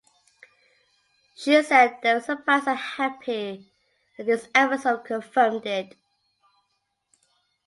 She said they were surprised and happy that this episode confirmed it.